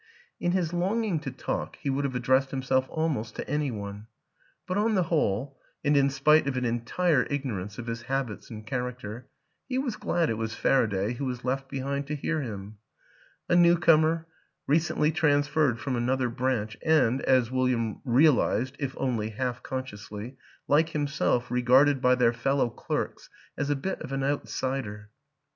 In his longing to talk he would have addressed himself almost to any one; but on the whole, and in spite of an entire ignorance of his habits and character, he was glad it was Faraday who was left behind to hear him a newcomer, recently transferred from another branch and, as William realized (if only half consciously) like himself regarded by their fellow clerks as a bit of an outsider.